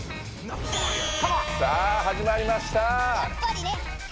さあはじまりました。